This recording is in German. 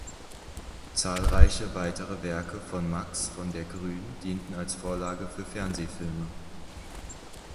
Zahlreiche weitere Werke von Max von der Grün dienten als Vorlage für Fernsehfilme.